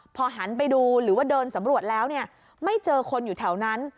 พอหันไปดูหรือว่าเดินสำรวจแล้วเนี่ยไม่เจอคนอยู่แถวนั้น